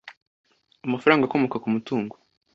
Amafaranga akomoka ku mutungo